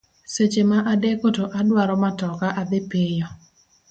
Seche ma adeko to adwaro matoka adhi piyo.